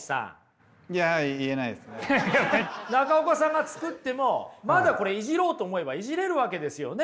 中岡さんが作ってもまだこれいじろうと思えばいじれるわけですよね。